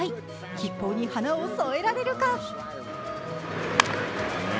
吉報に花を添えられるか。